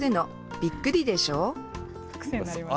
びっくりでしょう。